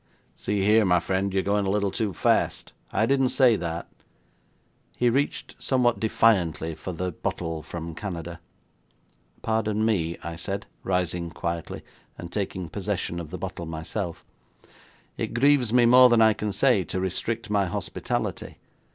'See here, my friend, you're going a little too fast. I didn't say that.' He reached somewhat defiantly for the bottle from Canada. 'Pardon me,' I said, rising quietly, and taking possession of the bottle myself, 'it grieves me more than I can say to restrict my hospitality.